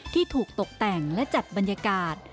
ที่ถูกตกแต่งและจัดบรรยากาศ